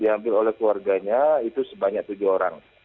diambil oleh keluarganya itu sebanyak tujuh orang